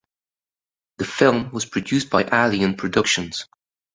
The film was produced by Ali n’ Productions.